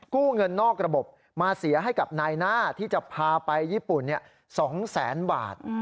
กู้เงินนอกระบบมาเสียให้กับนายหน้าที่จะพาไปญี่ปุ่น๒แสนบาท